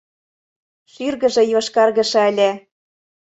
Шӱргыжӧ йошкаргыше ыле.